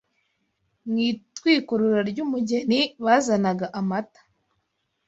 Mu itwikurura ry’umugeni bazanaga amata.